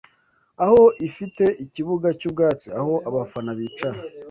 aho ifite ikibuga cy’ubwatsi, aho abafana bicara